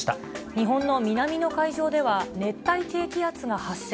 日本の南の海上では、熱帯低気圧が発生。